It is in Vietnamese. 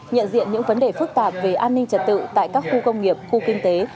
nhận diện những vấn đề phức tạp về an ninh trật tự tại các khu công nghiệp khu kinh tế